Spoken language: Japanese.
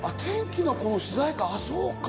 『天気の子』の主題歌。